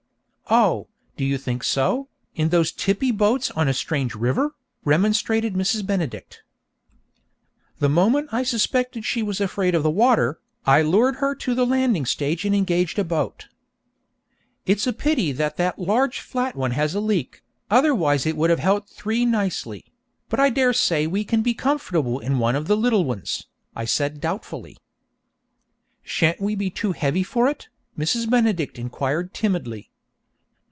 'Oh, do you think so, in those tippy boats on a strange river?' remonstrated Mrs. Benedict. The moment I suspected she was afraid of the water, I lured her to the landing stage and engaged a boat. 'It's a pity that that large flat one has a leak, otherwise it would have held three nicely; but I dare say we can be comfortable in one of the little ones,' I said doubtfully. 'Shan't we be too heavy for it?' Mrs. Benedict inquired timidly.